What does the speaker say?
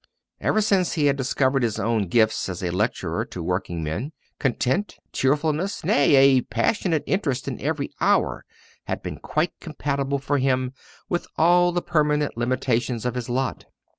Ever since he had discovered his own gifts as a lecturer to working men, content, cheerfulness, nay, a passionate interest in every hour, had been quite compatible for him with all the permanent limitations of his lot.